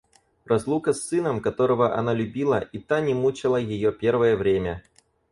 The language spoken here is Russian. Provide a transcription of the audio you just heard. Разлука с сыном, которого она любила, и та не мучала ее первое время.